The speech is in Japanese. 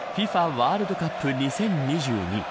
ワールドカップ２０２２